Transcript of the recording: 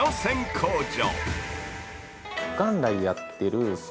工場。